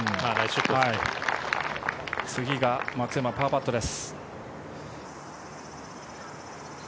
次が松山、パーパットです。